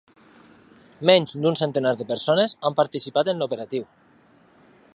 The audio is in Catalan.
Menys d'un centenar de persones han participat en l'operatiu.